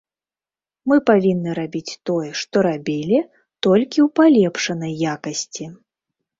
Мы павінны рабіць тое, што рабілі, толькі ў палепшанай якасці.